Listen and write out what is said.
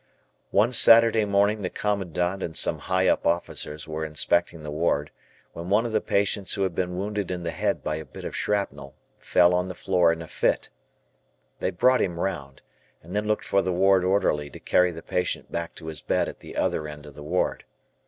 One Saturday morning the Commandant and some "high up" officers were inspecting the ward, when one of the patients who had been wounded in the head by a bit of shrapnel, fell on the floor in a fit. They brought him round, and then looked for the ward orderly to carry the patient back to his bed at the other end of the ward.